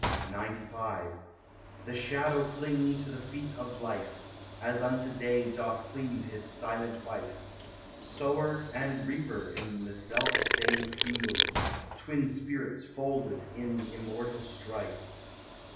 XCV The shadow clinging to the feet of life, As unto day doth cleave his silent wife— Sower and reaper in the self same field— Twin spirits folded in immortal strife.